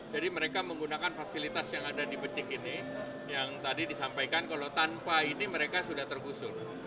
jadi mereka menggunakan fasilitas yang ada di becik ini yang tadi disampaikan kalau tanpa ini mereka sudah tergusur